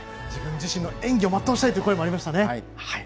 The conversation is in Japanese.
自分自身の演技を全うしたいという声もありました。